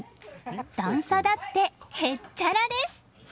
段差だって、へっちゃらです！